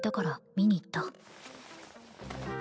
見に行った